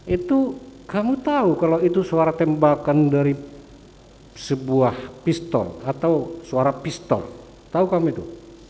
itu kamu tahu kalau itu suara tembakan dari sebuah pistol atau suara pistol tahu kamu itu